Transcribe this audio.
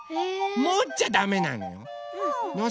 もっちゃダメなの。